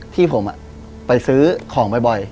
ที่ผมไปซื้อของบ่อย